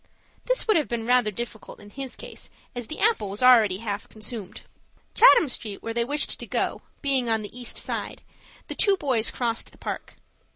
This would have been rather difficult in his case, as the apple was already half consumed. Chatham Street, where they wished to go, being on the East side, the two boys crossed the Park.